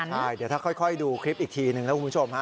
ใช่เดี๋ยวถ้าค่อยดูคลิปอีกทีหนึ่งนะคุณผู้ชมฮะ